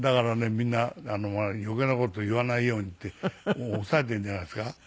みんな余計な事言わないようにって抑えているんじゃないんですか。